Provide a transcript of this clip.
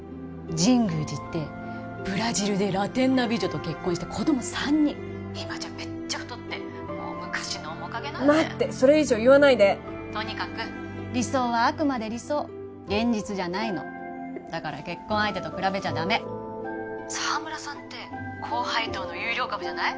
神宮寺ってブラジルでラテンな美女と結婚して子供３人今じゃめっちゃ太ってもう昔の面影なんて待ってそれ以上言わないでとにかく理想はあくまで理想現実じゃないのだから結婚相手と比べちゃダメ澤村さんって高配当の優良株じゃない？